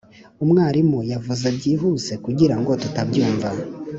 umwarimu yavuze byihuse kugirango tutabyumva.